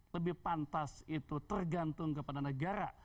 lebih pantas itu tergantung kepada negara